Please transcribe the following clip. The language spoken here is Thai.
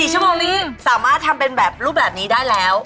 ๔ชั่วโมงนี้สามารถทำเป็นแบบรูปแบบนี้ได้แล้ว